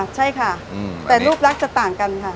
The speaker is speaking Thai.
ใช่ค่ะแต่รูปลักษณ์จะต่างกันค่ะ